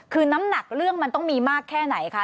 คือน้ำหนักเรื่องมันต้องมีมากแค่ไหนคะ